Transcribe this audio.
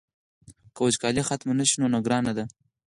که وچکالي ختمه نه شي نو ګرانه ده.